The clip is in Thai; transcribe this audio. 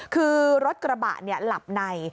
คือรถกระบะหลับใน